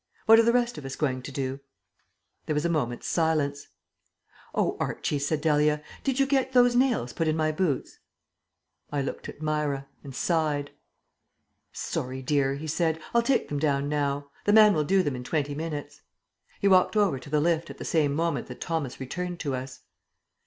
What are the rest of us going to do?" There was a moment's silence. "Oh, Archie," said Dahlia, "did you get those nails put in my boots?" I looked at Myra ... and sighed. "Sorry, dear," he said. "I'll take them down now. The man will do them in twenty minutes." He walked over to the lift at the same moment that Thomas returned to us.